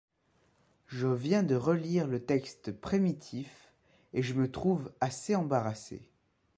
Je viens de relire le texte primitif et je me trouve assez embarrassé.